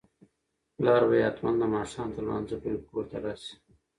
پلار به یې حتماً د ماښام تر لمانځه پورې کور ته راشي.